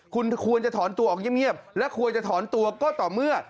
คุณควรจะถอนตัวออกเงียบและควรจะถอนตัวก็ต่อเมื่อ